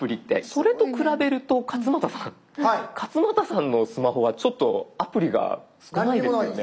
それと比べると勝俣さん勝俣さんのスマホはちょっとアプリが少ないですよね？